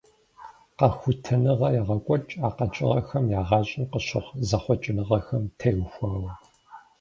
Къэхутэныгъэ егъэкӀуэкӀ а къэкӀыгъэхэм я гъащӀэм къыщыхъу зэхъуэкӀыныгъэхэм теухуауэ.